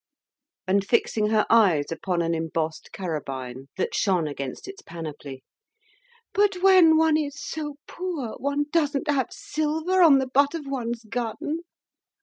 And fixing her eyes upon an embossed carabine, that shone against its panoply, "But when one is so poor one doesn't have silver on the butt of one's gun.